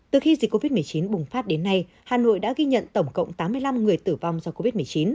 từ khi dịch covid một mươi chín bùng phát đến nay hà nội đã ghi nhận tổng cộng tám mươi năm người tử vong do covid một mươi chín